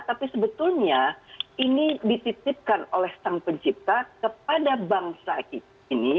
tapi sebetulnya ini dititipkan oleh sang pencipta kepada bangsa kita ini